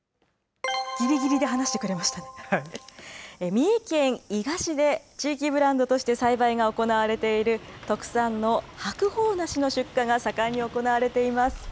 三重県伊賀市で地域ブランドとして栽培が行われている特産の白鳳梨の出荷が盛んに行われています。